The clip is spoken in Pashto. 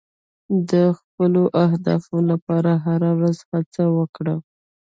د خپلو اهدافو لپاره هره ورځ هڅه وکړه.